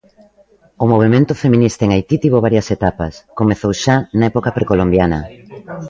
O movemento feminista en Haití tivo varias etapas, comezou xa na época precolombiana.